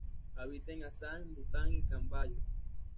Habita en Assam, Bután y Camboya.